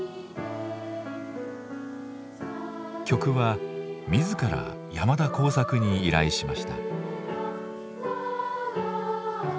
曲は自ら山田耕筰に依頼しました。